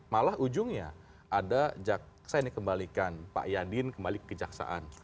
malah ujungnya ada jaksa yang dikembalikan pak yadin kembali ke kejaksaan